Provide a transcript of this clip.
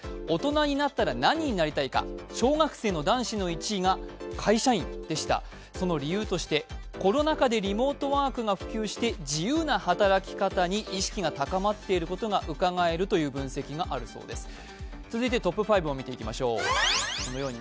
大人になったら何になりたいか、小学生の男子の１位が会社員でしたその理由として、この中でリモートワークが普及して、自由な働き方に意識が高まっていることがうかがえるという分析があるそうです。